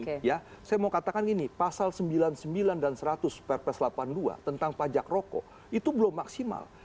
saya mau katakan gini pasal sembilan puluh sembilan dan seratus perpres delapan puluh dua tentang pajak rokok itu belum maksimal